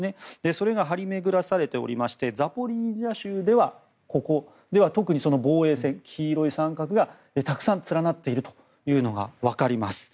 それが張り巡らされておりましてザポリージャ州では、ここ特に防衛線、黄色い三角がたくさん連なっているのがわかります。